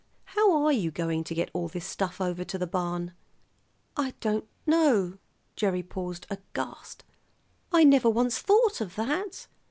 How are you going to get all this stuff over to the barn?" "I don't know." Gerry paused aghast. "I never once thought of that.